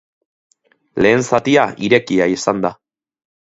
Lehen zatia irekia izan da.